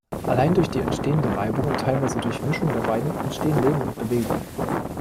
Allein durch die entstehende Reibung und teilweise Durchmischung der beiden entstehen Leben und Bewegung.